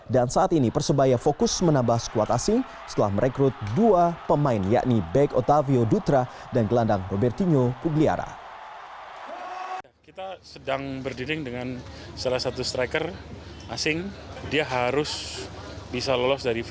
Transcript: dan saat ini persebaya fokus menambah skuad asing setelah merekrut dua pemain yakni bek otavio dutra dan gelandang robertinho pugliara